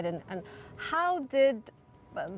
dan bagaimana pilihan tanah